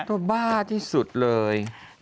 ก็บ้าที่สุดเลย